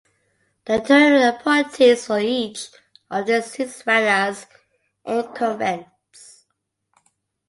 The interim appointees for each of their seats ran as incumbents.